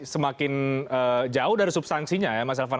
semakin jauh dari substansinya ya mas elvan